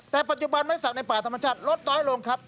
แต่ปัจจุบันไม้สักในป่าธรรมชาติลดน้อยลงครับ